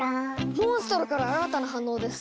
モンストロから新たな反応です！